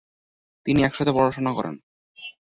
তিনি একসাথে পড়াশোনা করেন।